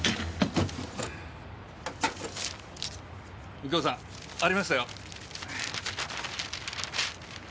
右京さんありましたよ。